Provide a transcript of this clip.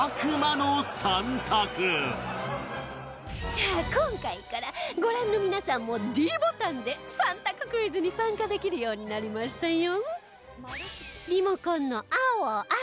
さあ今回からご覧の皆さんも ｄ ボタンで３択クイズに参加できるようになりましたよ